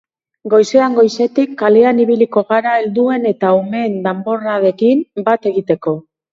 Goizean goizetik, kalean ibiliko gara helduen eta umeen danborradekin bat egiteko.